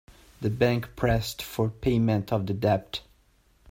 The bank pressed for payment of the debt.